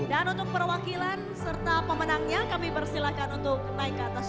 dan untuk perwakilan serta pemenangnya kami persilahkan untuk naik ke atas